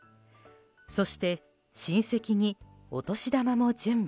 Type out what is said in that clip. そして親戚にお年玉も準備。